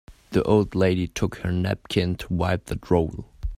The old lady took her napkin to wipe the drool.